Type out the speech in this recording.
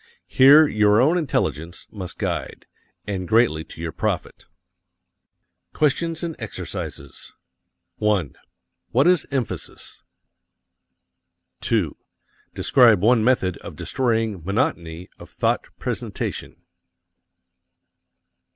Here your own intelligence must guide and greatly to your profit. QUESTIONS AND EXERCISES. 1. What is emphasis? 2. Describe one method of destroying monotony of thought presentation.